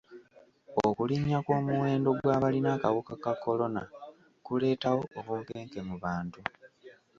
Okulinnya kw'omuwendo gw'abalina akawuka ka kolona kuleetawo obunkenke mu bantu.